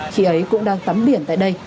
khi ấy cũng đang tắm biển tại đây